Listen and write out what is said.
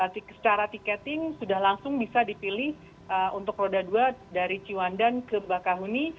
secara tiketing sudah langsung bisa dipilih untuk roda dua dari ciwandan ke bakahuni